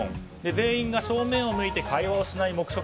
全員が正面を向いて会話をしない黙食。